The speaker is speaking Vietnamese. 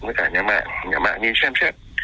với cả nhà mạng nhà mạng nên xem xét